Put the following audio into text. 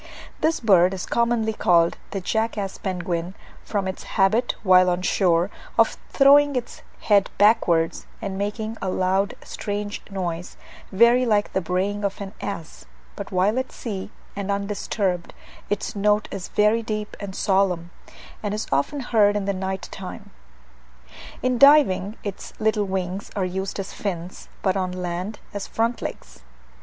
This bird is commonly called the jackass penguin, from its habit, while on shore, of throwing its head backwards, and making a loud strange noise, very like the braying of an ass; but while at sea, and undisturbed, its note is very deep and solemn, and is often heard in the night time. In diving, its little wings are used as fins; but on the land, as front legs.